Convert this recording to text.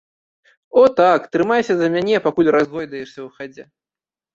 О так, трымайся за мяне, пакуль разгойдаешся ў хадзе.